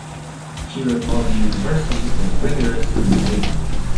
She recalled the university as "rigorous" and "amazing".